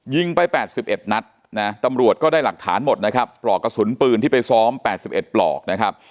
ยิงไป๘๑นัดนะตำรวจก็ได้หลักฐานหมดนะครับปลอกกระสุนปืนที่ไปซ้อม๘๑ปลอกนะครับ